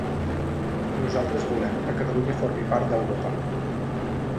Nosaltres volem que Catalunya formi part d'Europa.